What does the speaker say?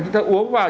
chúng ta uống vào